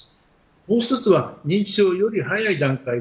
もう１つは認知症をより早い段階で